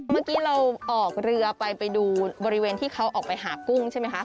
เมื่อกี้เราออกเรือไปไปดูบริเวณที่เขาออกไปหากุ้งใช่ไหมคะ